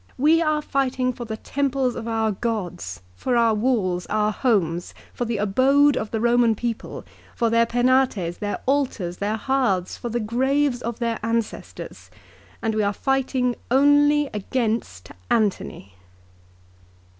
" We are fighting for the temples of our gods, for our walls, our homes, for the abode of the Roman people, for their Penates, their altars, their hearths, for the graves of ancestors, and we are fighting only against Antony."